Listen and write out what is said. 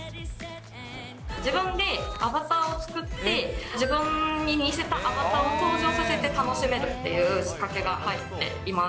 自分でアバターを作って、自分に似せたアバターを登場させて楽しめるっていう仕掛けが入っています。